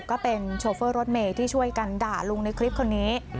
ก็เป็นโชเฟอร์รถเมย์ที่ช่วยกันด่าลุงในคลิปคนนี้